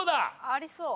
ありそう。